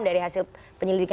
dari hasil penyelidikan